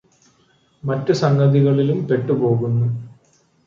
മറ്റു സംഗതികളിലും പെട്ടുപോകുന്നു